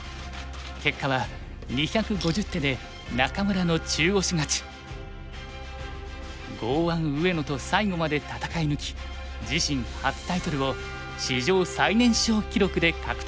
結果は２５０手で剛腕上野と最後まで戦い抜き自身初タイトルを史上最年少記録で獲得した。